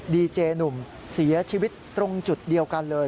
ดีเจหนุ่มเสียชีวิตตรงจุดเดียวกันเลย